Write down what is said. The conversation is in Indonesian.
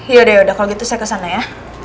yaudah yaudah kalo gitu saya kesana ya